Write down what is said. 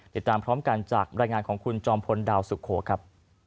ติดตามพร้อมกันจากรายงานของคุณจอมพลดาวสุโขครับ